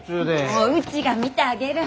もううちが見てあげる。